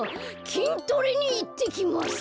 きんトレにいってきます！